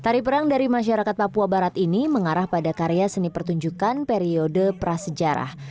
tari perang dari masyarakat papua barat ini mengarah pada karya seni pertunjukan periode prasejarah